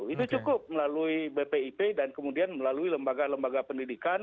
itu cukup melalui bpip dan kemudian melalui lembaga lembaga pendidikan